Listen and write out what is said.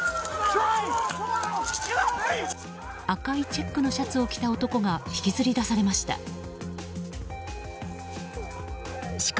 赤いチェックのシャツを着た男が引きずり出されました。